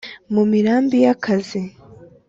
mu mirambi ya kazi,